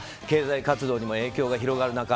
経済活動にも影響が広がる